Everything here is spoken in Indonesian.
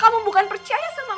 galileau tempatnya matish warmer